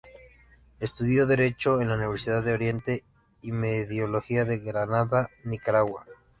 Estudió derecho en la Universidad de Oriente y Mediodía de Granada, Nicaragua.